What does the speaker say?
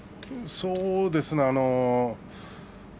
そうですね。